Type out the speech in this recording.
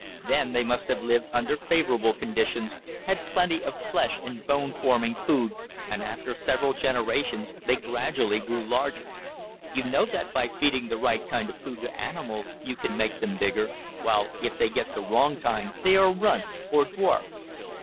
Then they must have lived under favorable conditions, had plenty of flesh and bone forming food, and after several generations they gradually grew larger. You know that by feeding the right kind of food to animals you can make them bigger, while if they get the wrong kind they are runts, or dwarfs."